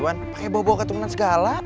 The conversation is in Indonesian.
pakai bawa bawa keturunan segala